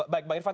baik bang irfan